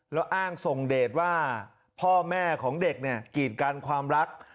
แล้วอ้างส่งเดทว่าพ่อแม่ของเด็กเนี่ยกีดกันความรัก